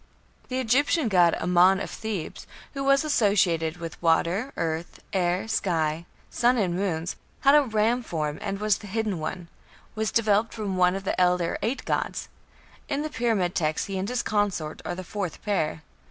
The Egyptian god Amon of Thebes, who was associated with water, earth, air, sky, sun and moon, had a ram form, and was "the hidden one", was developed from one of the elder eight gods; in the Pyramid Texts he and his consort are the fourth pair.